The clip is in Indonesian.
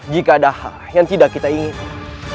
jika ada hal yang tidak kita inginkan